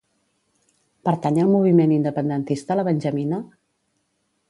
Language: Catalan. Pertany al moviment independentista la Benjamina?